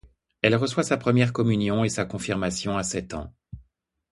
Elle reçoit sa première communion et sa confirmation à sept ans.